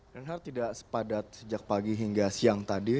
reinhardt tidak sepadat sejak pagi hingga siang tadi